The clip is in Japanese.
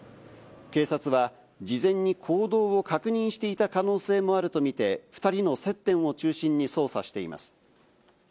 警察は事前に行動を確認していた可能性もあるとみて、２人の接点を中心に捜査しています。